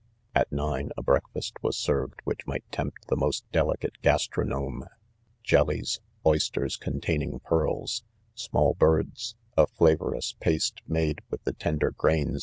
At. nine, . a breakfast was served which might tempt the most delicate gastronome. Jellies, oysters containing pearls, small birds, a fla vorous paste made with the tender grains